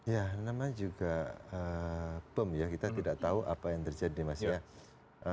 ya namanya juga bom ya kita tidak tahu apa yang terjadi mas ya